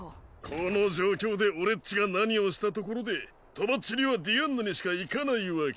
この状況で俺っちが何をしたところでとばっちりはディアンヌにしか行かないわけ。